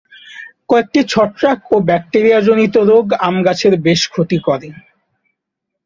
কয়েকটি ছত্রাক ও ব্যাকটেরিয়াজনিত রোগ আম গাছের বেশ ক্ষতি করে।